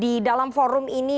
di dalam forum ini